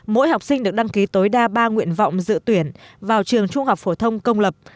mỗi học sinh được đăng ký tối đa ba nguyện vọng dự tuyển vào trường trung học phổ thông công lập